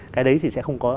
cái đấy thì sẽ không có